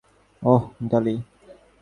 ওহ, Dolly.